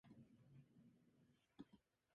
一と月とたたねえうちに見違えるように太れるぜ